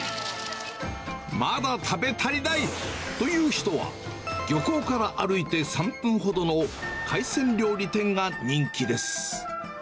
まだ食べ足りないという人は、漁港から歩いて３分ほどの海鮮料理店が人気です。